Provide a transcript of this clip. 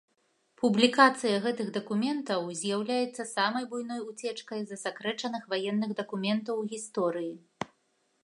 Публікацыя гэтых дакументаў з'яўляецца самай буйной уцечкай засакрэчаных ваенных дакументаў у гісторыі.